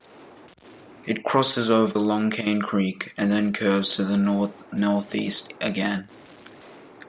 It crosses over Long Cane Creek and then curves to the north-northeast again.